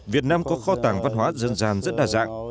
việt nam có kho tàng văn hóa dân gian rất đa dạng